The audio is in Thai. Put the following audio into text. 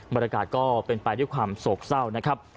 บรรยากาศก็เป็นไปด้วยความโศกเศร้านะครับ